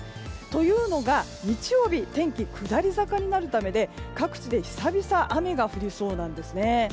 というのが、日曜日天気下り坂になるためで各地で久々雨が降りそうなんですね。